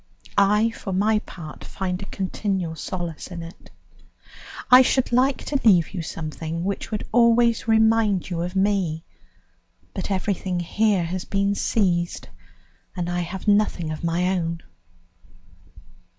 I, for my part, find a continual solace in it. I should like to leave you something which would always remind you of me, but everything here has been seized, and I have nothing of my own.